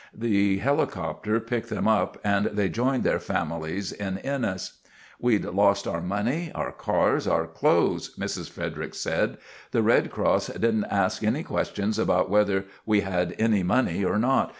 The helicopter picked them up, and they joined their families in Ennis. "We'd lost our money, our cars, our clothes," Mrs. Fredericks said. "The Red Cross didn't ask us any questions about whether we had any money or not.